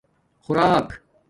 خُوراک